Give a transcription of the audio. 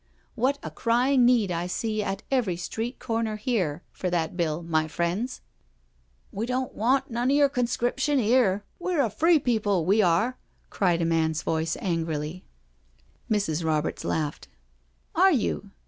What a crying need I see at every street corner here for that Bill, my friends I" " We don't want none of your conscription 'ere — we're a free people, we are," cried a man's voice angrily » 138 NO SURRENDER Mrs. Roberts laughed: "Are you?